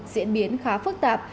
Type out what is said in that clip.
diễn biến khá phức tạp